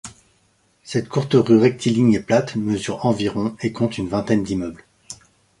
Cette courte rue rectiligne et plate mesure environ et compte une vingtaine d'immeubles.